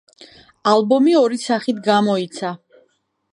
ალბომი ორი სახით გამოიცა.